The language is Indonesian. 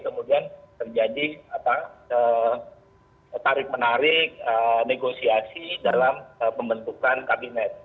kemudian terjadi tarik menarik negosiasi dalam pembentukan kabinet